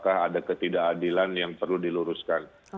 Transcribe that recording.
ada ketidakadilan yang perlu diluruskan